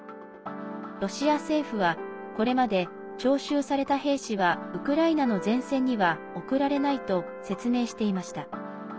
ロシア政府は、これまで徴集された兵士はウクライナの前線には送られないと説明していました。